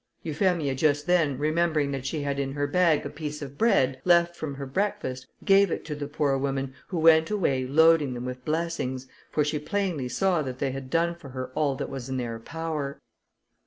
Euphemia just then remembering that she had in her bag a piece of bread, left from her breakfast, gave it to the poor woman, who went away loading them with blessings, for she plainly saw that they had done for her all that was in their power.